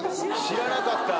知らなかった。